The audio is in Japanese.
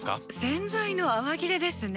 洗剤の泡切れですね。